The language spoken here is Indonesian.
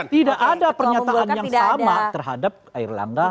tidak ada pernyataan yang sama terhadap irlanda